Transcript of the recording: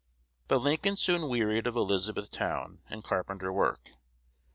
But Lincoln soon wearied of Elizabethtown and carpenter work.